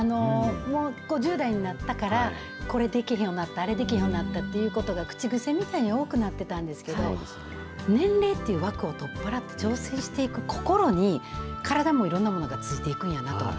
もう５０代になったから、これ、できへんようになった、あれ、できへんようになったって、口癖みたいに多くなってたんですけど、年齢っていう枠を取っ払って挑戦していく心に、体もいろんなものがついていくんやなと。